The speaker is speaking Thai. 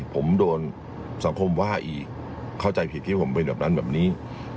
ผมโดนสังคมว่าอีกเข้าใจผิดคิดว่าผมเป็นแบบนั้นแบบนี้